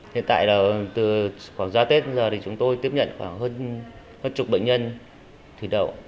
hiện tại là từ khoảng ra tết đến giờ thì chúng tôi tiếp nhận khoảng hơn chục bệnh nhân thủy đậu